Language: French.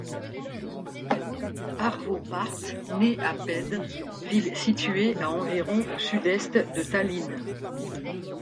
Arvo Pärt naît à Paide, ville située à environ au sud-est de Tallinn.